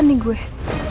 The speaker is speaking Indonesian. mbak anin mau keluar lagi